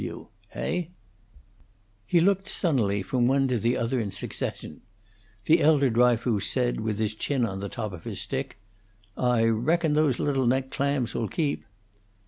W. Heigh?" He looked sunnily from one to the other in succession. The elder Dryfoos said, with his chin on the top of his stick, "I reckon those Little Neck clams will keep."